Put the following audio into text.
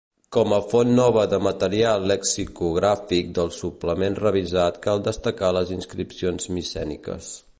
Com a font nova de material lexicogràfic del suplement revisat cal destacar les inscripcions micèniques.